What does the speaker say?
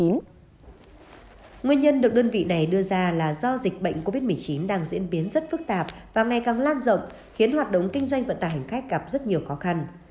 nguyên nhân được đơn vị này đưa ra là do dịch bệnh covid một mươi chín đang diễn biến rất phức tạp và ngày càng lan rộng khiến hoạt động kinh doanh vận tải hành khách gặp rất nhiều khó khăn